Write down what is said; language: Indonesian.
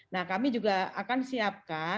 nah kami juga akan siapkan